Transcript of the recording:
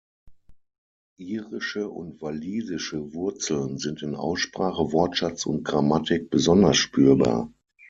Irische und walisische Wurzeln sind in Aussprache, Wortschatz und Grammatik besonders spürbar.